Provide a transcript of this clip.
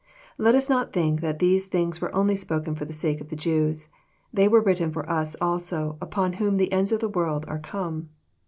Let us not think that these things were only spoken for the sake of the Jews. They were written for us also, upon whom the ends of the world are come.